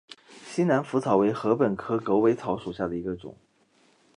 西南莩草为禾本科狗尾草属下的一个种。